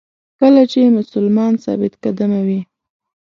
کله چې مسلمان ثابت قدمه وي.